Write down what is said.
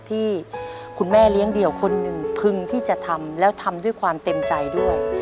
ที่คุณแม่เลี้ยงเดี่ยวคนหนึ่งพึงที่จะทำแล้วทำด้วยความเต็มใจด้วย